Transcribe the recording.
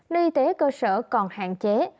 đi tế cơ sở còn hạn chế